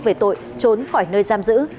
về tội trốn khỏi nơi giam giữ